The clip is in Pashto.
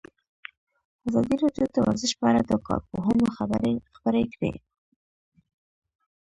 ازادي راډیو د ورزش په اړه د کارپوهانو خبرې خپرې کړي.